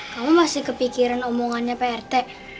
kamu masih kepikiran omongannya prt